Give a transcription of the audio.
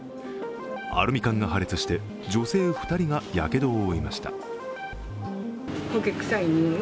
アルミ缶が破裂して女性２人がやけどを負いました。